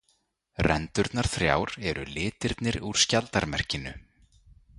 Rendurnar þrjár eru litirnir úr skjaldarmerkinu.